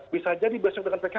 bisa jadi bersama dengan pks kan